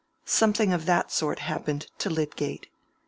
Something of that sort happened to Lydgate.